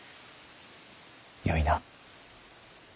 よいな。